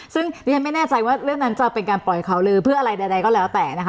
ซึ่งดิฉันไม่แน่ใจว่าเรื่องนั้นจะเป็นการปล่อยข่าวลือเพื่ออะไรใดก็แล้วแต่นะคะ